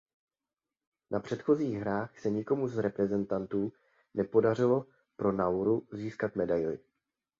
Na předchozích hrách se nikomu z reprezentantů nepodařilo pro Nauru získat medaili.